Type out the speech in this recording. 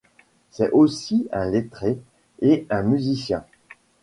C'est aussi un lettré et un musicien.